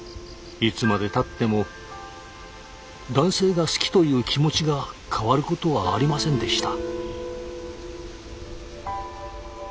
いつまでたっても男性が好きという気持ちが変わることはありませんでした。